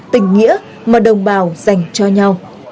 tình nghĩa mà đồng bào dành cho nhau